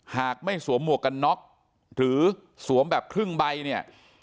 หากไม่สวมหมวกกันน็อกหรือสวมแบบครึ่งใบเนี่ย